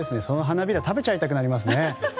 その花びら食べちゃいたくなりますね。